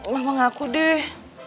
mama ngaku deh